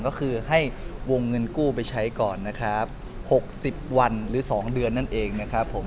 ก็คือให้วงเงินกู้ไปใช้ก่อนนะครับ๖๐วันหรือ๒เดือนนั่นเองนะครับผม